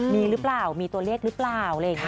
มีรึเปล่ามีตัวเลขหรือเปล่า